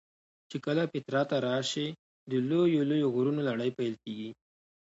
چې کله پیترا ته راشې د لویو لویو غرونو لړۍ پیل کېږي.